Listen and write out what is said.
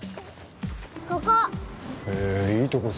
ここ！